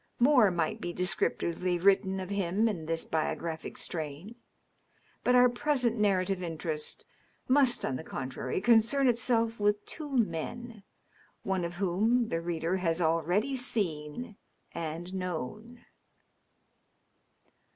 More might descriptively be written of him in this biographic strain. But our present narrative interest must on the contrary concern itself with two men, one of whom the reader has already seen and known.